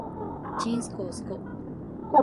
ちんすこうすこ